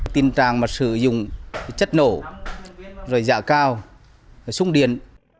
tin tràng mà sử dụng chất nổ rồi giả cao sung điện